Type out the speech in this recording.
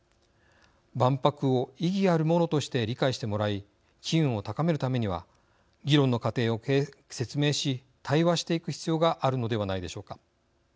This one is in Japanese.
万博を意義あるものとして理解してもらい機運を高めるためには議論の過程を説明し対話していく必要があるのではないでしょうか。